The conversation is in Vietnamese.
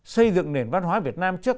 xây dựng nền văn hóa việt nam trước ta